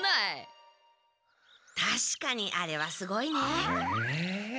たしかにあれはすごいね。